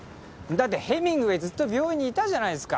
だってヘミングウェイずっと病院にいたじゃないっすか。